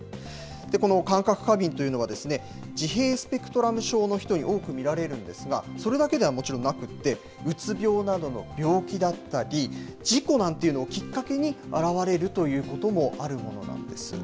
この感覚過敏というのは、自閉スペクトラム症の人に多く見られるんですが、それだけではもちろんなくて、うつ病などの病気だったり、事故なんていうのをきっかけに現れるということもあるものなんです。